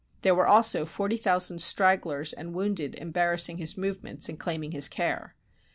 There were also forty thousand stragglers and wounded embarrassing his movements and claiming his care.